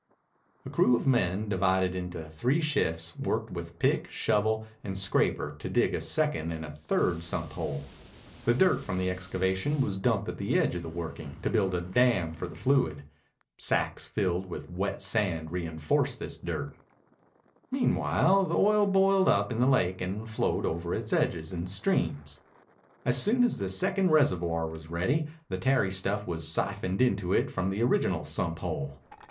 A crew of men, divided into three shifts, worked with pick, shovel, and scraper to dig a second and a third sump hole. The dirt from the excavation was dumped at the edge of the working to build a dam for the fluid. Sacks filled with wet sand reinforced this dirt. Meanwhile the oil boiled up in the lake and flowed over its edges in streams. As soon as the second reservoir was ready the tarry stuff was siphoned into it from the original sump hole.